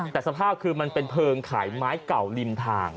แต่สภาพคือมันเป็นเพลิงขายไม้เก่าริมทาง